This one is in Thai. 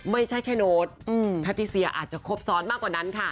ไม่ใช่แค่โน้ตแพทติเซียอาจจะครบซ้อนมากกว่านั้นค่ะ